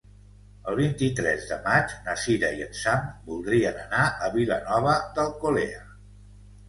El vint-i-tres de maig na Cira i en Sam voldrien anar a Vilanova d'Alcolea.